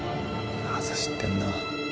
なぜ知ってんだ？